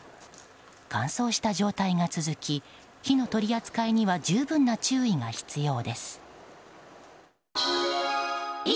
乾燥した状態が続き火の取り扱いには十分な注意が必要です。